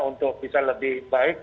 untuk bisa lebih baik